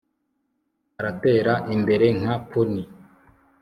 Aratera imbere nka pony